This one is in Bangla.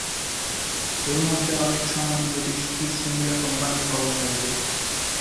এর মধ্যে অনেক সমাধি ব্রিটিশ ইস্ট ইন্ডিয়া কোম্পানির কর্মচারীদের।